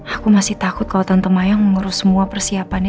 aku masih takut kalau tante mayang mengurus semua persiapannya